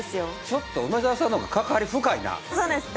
ちょっと梅澤さんの方が関わり深いなそうです